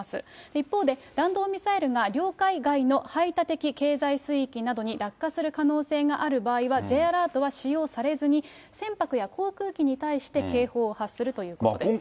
一方で弾道ミサイルが領海外の排他的経済水域等に落下する可能性がある場合は、Ｊアラートは使用されずに、船舶や航空機に対して、警報を発するということです。